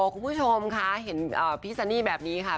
คุณผู้ชมค่ะเห็นพี่ซันนี่แบบนี้ค่ะ